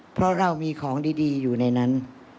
เพราะเรามีของดีอยู่ในนั้น